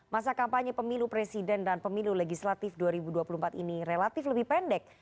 masa kampanye pemilu presiden dan pemilu legislatif dua ribu dua puluh empat ini relatif lebih pendek